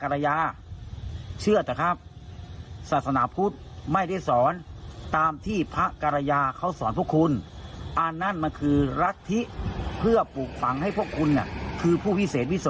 คือลัทธิเพื่อปลูกฝั่งให้พวกคุณคือผู้พิเศษวิโส